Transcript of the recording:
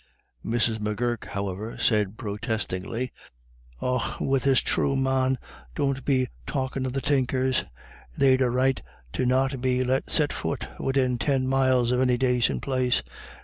Mrs. M'Gurk, however, said protestingly, "Och, wirrasthrew, man, don't be talkin' of the Tinkers. They'd a right to not be let set fut widin tin mile of any dacint place.